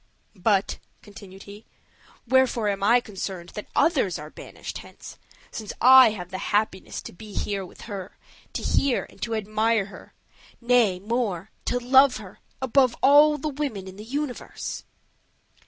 But," continued he, "wherefore am I concerned that others are banished hence, since I have the happiness to be with her, to hear and to admire her; nay, more, to love her above all the women in the universe?"